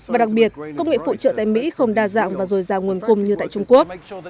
và đặc biệt công nghệ phụ trợ tại mỹ không đa dạng và rồi giàu nguồn cùng như tại trung quốc